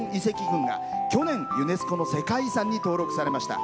郡が去年、ユネスコの世界遺産に登録されました。